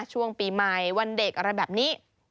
ช่วงปีใหม่วันเด็กอะไรแบบนี้